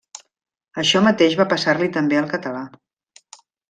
Això mateix va passar-li també al català.